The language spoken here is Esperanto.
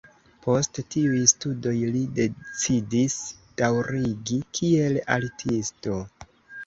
Post tiuj studoj li decidis daŭrigi kiel artisto.